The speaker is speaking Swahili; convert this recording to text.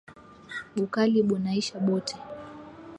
Bukali bunaisha bote